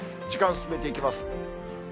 時間進めていきます。